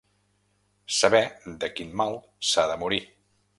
Saber de quin mal s'ha de morir.